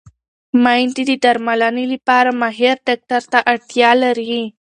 مېندې د درملنې لپاره ماهر ډاکټر ته اړتیا لري.